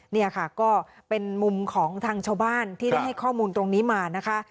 นี่ค่ะก็เป็นมุมของทางชาวบ้านที่ได้ให้ข้อมูลตรงนี้มานะคะ